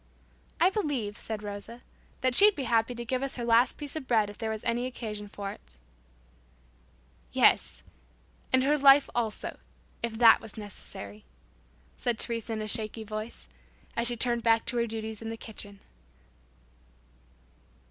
"I believe," said Rosa, "that she'd be happy to give us her last piece of bread if there was occasion for it" "Yes, and her life also, if that was necessary," said Teresa in a shaky voice, as she turned back to her duties in the kitchen.